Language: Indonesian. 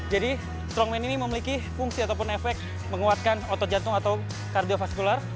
jadi strongman ini memiliki fungsi ataupun efek menguatkan otot jantung atau kardiofaskular